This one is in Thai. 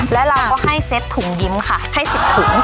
และเราก็ให้เซ็ตถุงยิ้มค่ะให้๑๐ถุง